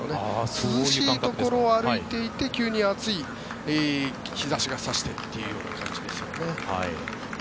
涼しいところを歩いていて急に暑い日差しが差してというような感じですよね。